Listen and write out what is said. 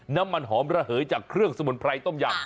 น้ำมันหอมระเหยจากเครื่องสมุนไพรต้มยำ